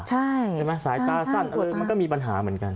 ใช่ใช่ใช่ปวดลูกกระตาสายตาสั้นมันก็มีปัญหาเหมือนกัน